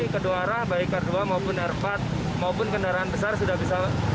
kedua arah baik r dua maupun r empat maupun kendaraan besar sudah bisa